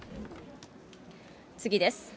次です。